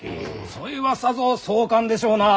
そいはさぞ壮観でしょうな！